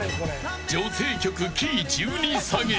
女性曲、キー１２下げ。